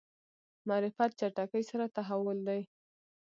معرفت چټکۍ سره تحول دی.